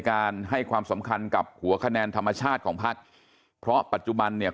ให้ความสำคัญกับหัวคะแนนธรรมชาติของพักเพราะปัจจุบันเนี่ย